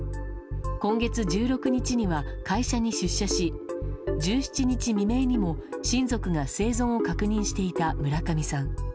今月１６日には会社に出社し１７日未明にも親族が生存を確認していた村上さん。